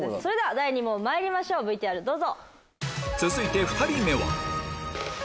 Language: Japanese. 第２問まいりましょうＶＴＲどうぞ。